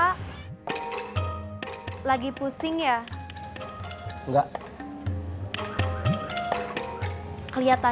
kalau lagi gak ada yang dikerjain